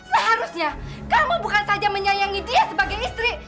seharusnya kamu bukan saja menyayangi dia sebagai istri